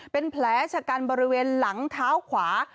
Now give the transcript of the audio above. เป็นแผลชะกันบริเวณหลังเท้าขวา